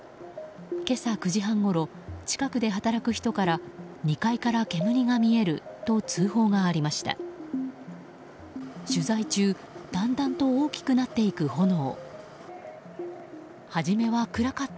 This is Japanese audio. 今朝９時半ごろ近くで働く人から２階から煙が見えると通報がありました。